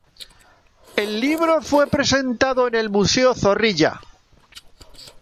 El libro fue presentado en el Museo Zorrilla.